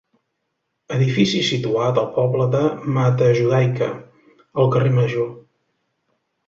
Edifici situat al poble de Matajudaica, al carrer Major.